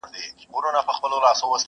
خراب خراب دي کړم چپه دي کړمه،